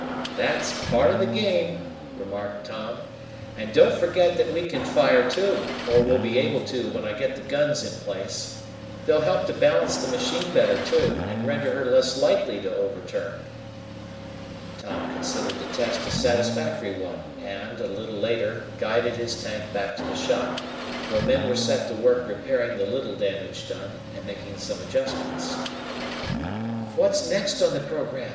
"That's part of the game," remarked Tom. "And don't forget that we can fire, too or we'll be able to when I get the guns in place. They'll help to balance the machine better, too, and render her less likely to overturn." Tom considered the test a satisfactory one and, a little later, guided his tank back to the shop, where men were set to work repairing the little damage done and making some adjustments. "What's next on the program?"